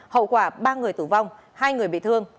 hậu quả ba người tử vong hai người bị thương